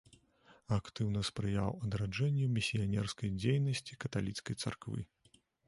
Актыўна спрыяў адраджэнню місіянерскай дзейнасці каталіцкай царквы.